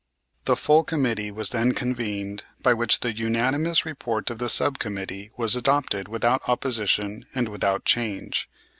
The full committee was then convened by which the unanimous report of the sub committee was adopted without opposition and without change.